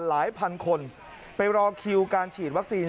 หลายพันคนไปรอคิวการฉีดวัคซีน